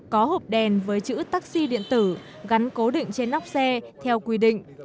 có hộp đèn với chữ taxi điện tử gắn cố định trên nóc xe theo quy định